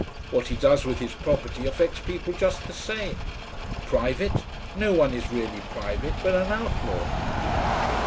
What he does with his property affects people just the same. Private! No one is really private but an outlaw...."